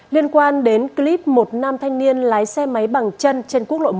liên quan đến clip một nam thanh niên lái xe máy bằng chân trên quốc lộ một